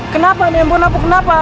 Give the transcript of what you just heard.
kenapa mempun apu kenapa